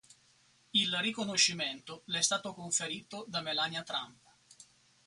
Il riconoscimento le è stato conferito da Melania Trump.